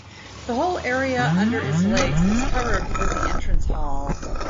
The whole area under its legs is covered with the entrance hall.